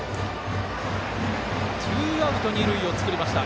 ツーアウト、二塁を作りました。